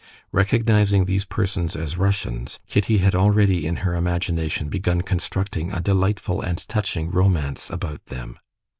Recognizing these persons as Russians, Kitty had already in her imagination begun constructing a delightful and touching romance about them.